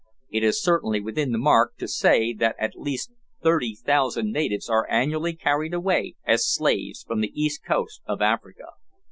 It is certainly within the mark to say that at least thirty thousand natives are annually carried away as slaves from the east coast of Africa.